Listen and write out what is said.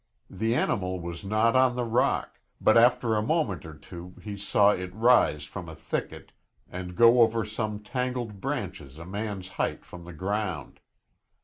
The animal was not on the rock, but after a moment or two he saw it rise from a thicket and go over some tangled branches a man's height from the ground.